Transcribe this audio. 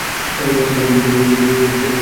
তোমাকে ছেড়ে যেতে চাইনি!